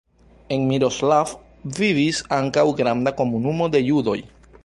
En Miroslav vivis ankaŭ granda komunumo de judoj.